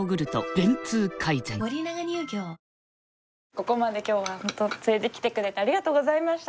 ここまで今日はホント連れて来てくれてありがとうございました。